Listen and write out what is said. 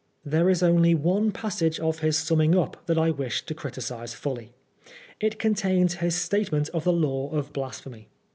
There is only one passage of his summing up that I wish to criticise fully. It contains his statement of the Law of Blasphemy.